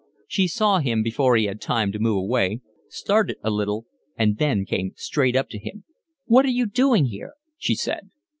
She saw him before he had time to move away, started a little, and then came straight up to him. "What are you doing here?" she said.